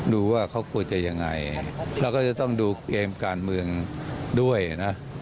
ดูว่าเขาควรจะยังไงเราก็จะต้องดูเกมการเมืองด้วยนะ